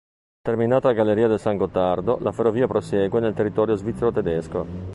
Terminata la galleria del San Gottardo, la ferrovia prosegue nel territorio svizzero-tedesco.